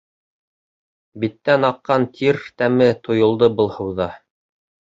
Биттән аҡҡан тир тәме тойолдо был һыуҙа.